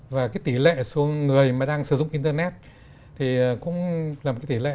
và tỷ lệ số người đang sử dụng internet cũng là tỷ lệ